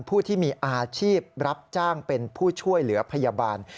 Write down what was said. ผู้ที่มีอาชีพรับจ้างเป็นผู้ช่วยเหลือพยาบาล